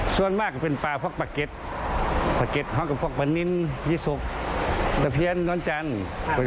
ส่วนมากเป็นปลาพวกปลาเกรดพวกปลานินยี่สุกประเพียรน้อนจันทร์